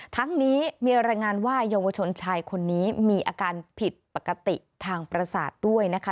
ทั้งนี้มีรายงานว่าเยาวชนชายคนนี้มีอาการผิดปกติทางประสาทด้วยนะคะ